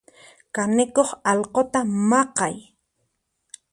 Kanikuq alquta maqay.